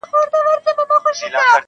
• پر مخ د مځکي د جنتونو -